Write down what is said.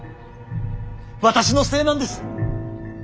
私のせいなんです。